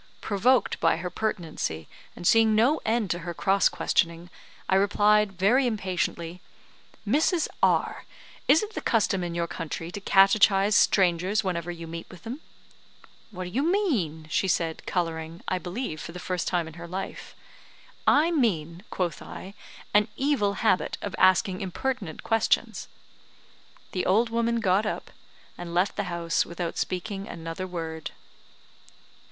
Provoked by her pertinacity, and seeing no end to her cross questioning, I replied, very impatiently, "Mrs. R , is it the custom in your country to catechise strangers whenever you meet with them?" "What do you mean?" she said, colouring, I believe, for the first time in her life. "I mean," quoth I, "an evil habit of asking impertinent questions." The old woman got up, and left the house without speaking another word.